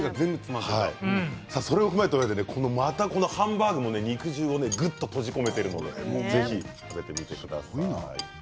それを踏まえたうえでまたこのハンバーグも肉汁をぐっと閉じ込めているのでぜひ食べてみてください。